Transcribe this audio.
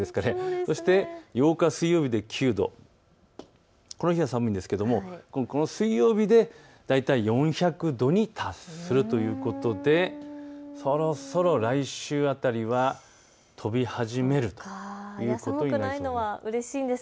そして８日水曜日で９度、この日は寒いんですけれどもこの水曜日で大体４００度に達するということでそろそろ来週辺りは飛び始めるということになりそうです。